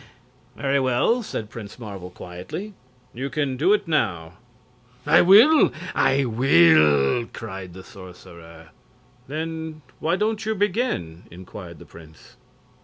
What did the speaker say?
"Very well," said Prince Marvel, quietly; "you can do it now." "I will! I will!" cried the sorcerer. "Then why don't you begin?" inquired the prince.